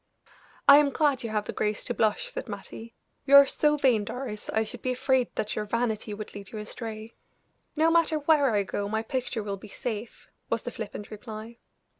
"I am glad you have the grace to blush," said Mattie. "You are so vain, Doris, I should be afraid that your vanity would lead you astray." "No matter where I go my picture will be safe," was the flippant reply.